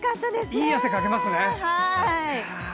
いい汗かきますね。